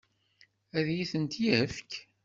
Ad iyi-tent-yefk?